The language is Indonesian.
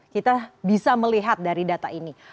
kita bisa melihat dari data ini